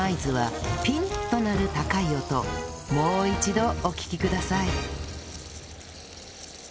もう一度お聞きください